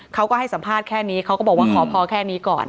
เขาก็ให้สัมภาษณ์แค่นี้เขาก็บอกว่าขอพอแค่นี้ก่อน